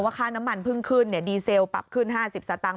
ค่าน้ำมันเพิ่งขึ้นดีเซลปรับขึ้น๕๐สตางค